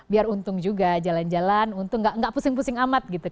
biar untung juga jalan jalan untuk gak pusing pusing amat gitu